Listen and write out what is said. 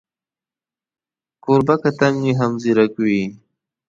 کوربه که تنکی وي، هم ځیرک وي.